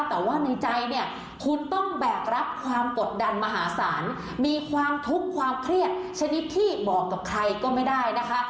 แต่ว่าในใจเนี่ยคุณต้องแบกรับความกดดันมหาศาลมีความทุกข์ความเครียดชนิดที่บอกกับใครก็ไม่ได้นะคะ